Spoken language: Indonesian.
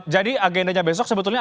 jadi agendanya besok sebetulnya